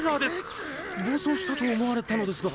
暴走したと思われたのですが？？」